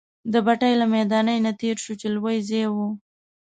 د بټۍ له میدانۍ نه تېر شوو، چې لوی ځای وو.